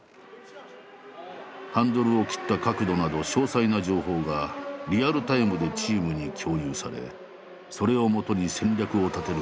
ハンドルを切った角度など詳細な情報がリアルタイムでチームに共有されそれを基に戦略を立てる